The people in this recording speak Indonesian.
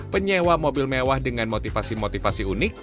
penyewa mobil mewah dengan motivasi motivasi unik